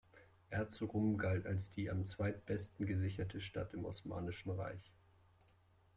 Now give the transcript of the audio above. Erzurum galt als die am zweitbesten gesicherte Stadt im Osmanischen Reich.